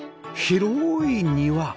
広ーい庭